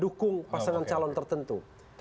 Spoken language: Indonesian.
itu pasangan calon tertentu